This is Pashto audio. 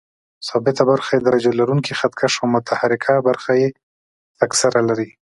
ثابته برخه یې درجه لرونکی خط کش او متحرکه برخه یې فکسره لري.